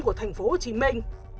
của thành phố hồ chí minh